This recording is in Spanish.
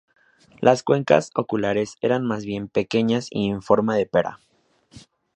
Las cuencas oculares eran más bien pequeñas y en forma de pera.